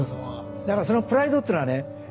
だからそのプライドっていうのはね